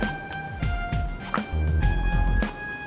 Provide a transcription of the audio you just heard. yang fungsi moe